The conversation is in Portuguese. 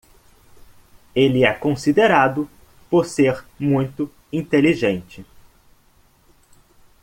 Ele é considerado por ser muito inteligente.